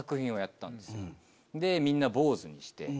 みんな坊ずにして。